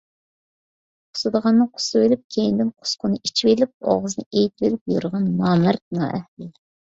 قۇسۇدىغاننى قۇسۇۋېلىپ كەينىدىن قۇسۇقىنى ئىچىۋېلىپ ئاغزىنى ئېيتىۋېلىپ يۈرىدىغان نامەرد، نائەھلى.